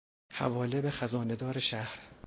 حواله به خزانهدار شهر